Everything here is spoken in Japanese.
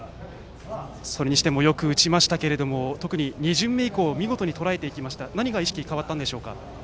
それにしてもよく打ちましたが特に２巡目以降見事にとらえていきましたが何か意識は変わったんですか？